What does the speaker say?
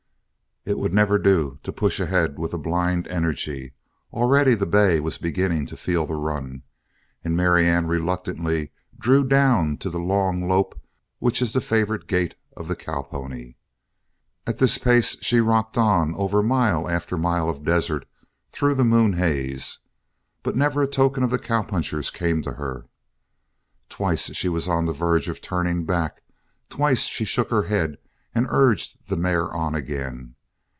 It would never do to push ahead with a blind energy. Already the bay was beginning to feel the run, and Marianne reluctantly drew down to the long lope which is the favorite gait of the cowpony. At this pace she rocked on over mile after mile of desert through the moonhaze, but never a token of the cowpunchers came on her. Twice she was on the verge of turning back; twice she shook her head and urged the mare on again.